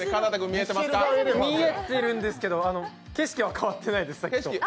見えてるんですけど、景色は変わってないです。